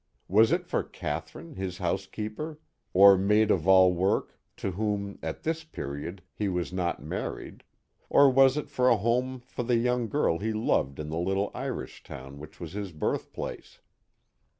Was it for Catherine, his housekeeper, or maid of all work, to whom, at this period, he was not married, or was it for a home for the young girl he loved in the little Irish town which was his birthplace